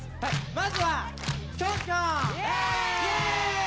まずはキョンキョン！